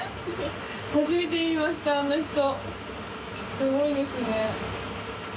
すごいですね。